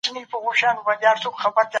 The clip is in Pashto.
لږکي د ډیروکیو په څیر مساوي حقونه لري.